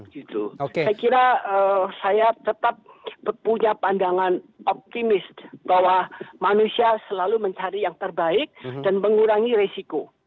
saya kira saya tetap punya pandangan optimis bahwa manusia selalu mencari yang terbaik dan mengurangi resiko